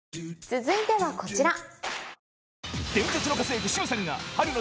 続いてはこちら。